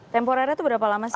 temporernya itu berapa lama sih